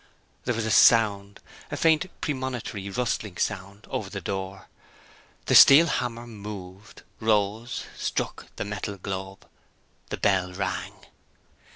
There was a sound a faint premonitory rustling sound over the door. The steel hammer moved rose struck the metal globe. The bell rang.